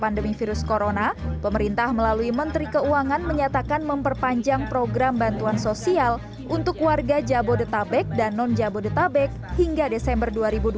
pandemi virus corona pemerintah melalui menteri keuangan menyatakan memperpanjang program bantuan sosial untuk warga jabodetabek dan non jabodetabek hingga desember dua ribu dua puluh